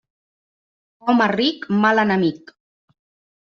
Home ric, mal enemic.